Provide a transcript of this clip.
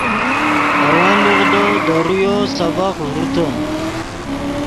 اے ون لوغدو دے رویو سبق ݱوتے